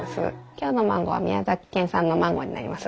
今日のマンゴーは宮崎県産のマンゴーになります。